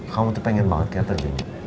kamu tuh pengen banget kak air terjun